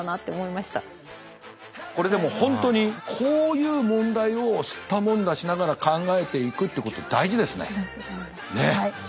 これでも本当にこういう問題をすったもんだしながら考えていくってこと大事ですね。